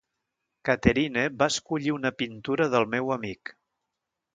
Catherine va escollir una pintura del meu amic.